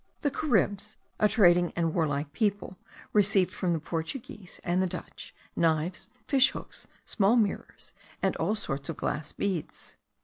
The Caribs, a trading and warlike people, received from the Portuguese and the Dutch, knives, fish hooks, small mirrors, and all sorts of glass beads.